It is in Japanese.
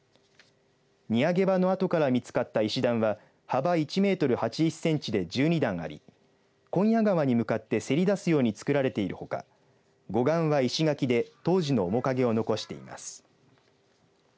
荷揚げ場の跡から見つかった石段は幅１メートル８０センチで１２段あり紺屋川に向かってせり出すように造られているほか護岸は石垣で当時の面影を残しています。